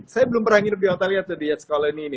saya belum pernah hidup di hotelnya tuh di yogyakarta ini